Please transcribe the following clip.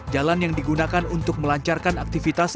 jalan yang digunakan untuk melancarkan aktivitas